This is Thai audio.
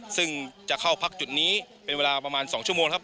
ซึ่งจะเข้าพักจุดนี้เป็นเวลาประมาณ๒ชั่วโมงครับ